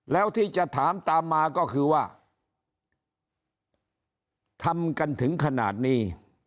แล้วที่จะถามตามมาก็คือว่าทำกันถึงขนาดนี้